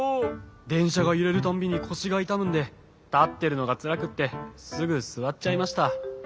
でんしゃがゆれるたんびにこしがいたむんでたってるのがつらくってすぐすわっちゃいました。